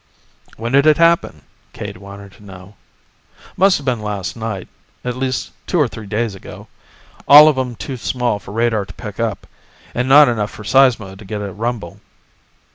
"When did it happen?" Cade wanted to know. "Must have been last night, at least two or three days ago. All of 'em too small for Radar to pick up, and not enough for Seismo to get a rumble."